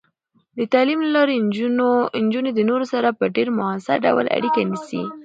د تعلیم له لارې، نجونې د نورو سره په ډیر مؤثر ډول اړیکه نیسي.